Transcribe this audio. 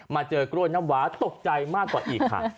เจอกล้วยน้ำหวาตกใจมากกว่าอีกค่ะ